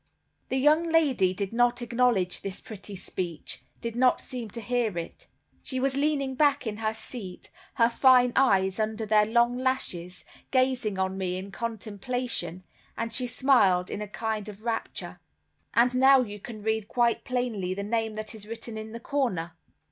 The young lady did not acknowledge this pretty speech, did not seem to hear it. She was leaning back in her seat, her fine eyes under their long lashes gazing on me in contemplation, and she smiled in a kind of rapture. "And now you can read quite plainly the name that is written in the corner.